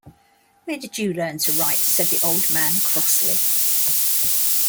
“Where did you learn to write?” said the old man crossly.